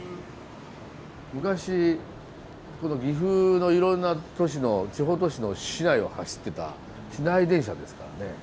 昔この岐阜のいろんな地方都市の市内を走ってた市内電車ですからね。